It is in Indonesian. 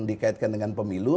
dikaitkan dengan pemilu